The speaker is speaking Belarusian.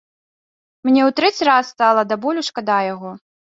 Мне ў трэці раз стала да болю шкода яго.